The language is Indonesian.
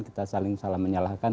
kita saling salah menyalahkan